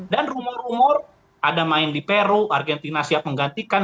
dan rumor rumor ada main di peru argentina siap menggantikan